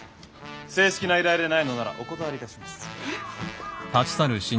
正式な依頼でないのならお断りいたします。